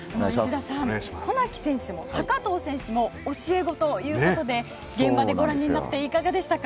渡名喜選手も高藤選手も教え子ということでご覧になっていかがでしたか？